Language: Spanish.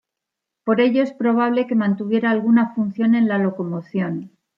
Por ello es probable que mantuviera alguna función en la locomoción.